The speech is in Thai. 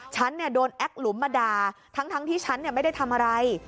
ฉันโดนแอ๊กหลุมมาด่าทั้งที่ฉันไม่ได้ทำอะไร